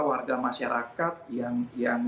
warga masyarakat yang